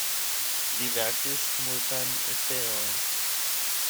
Li verkis multajn eseojn.